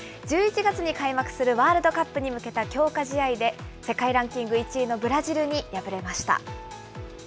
１１月に開幕するワールドカップに向けた強化試合で、世界ランキング１位のブラジルに敗れました。